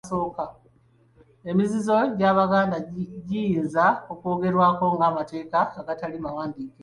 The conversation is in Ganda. Emizizo gy'Abaganda giyinza okwogerwako nga amateeka agatali mawandiike.